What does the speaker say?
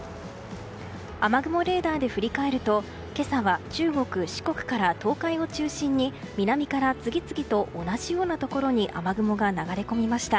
雨雲レーダーで振り返ると今朝は中国・四国から東海を中心に南から次々と同じようなところに雨雲が流れ込みました。